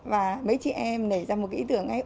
và mấy chị em nảy ra một cái ý tưởng ấy